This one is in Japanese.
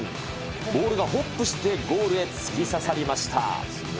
ボールがホップして、ゴールへ突き刺さりました。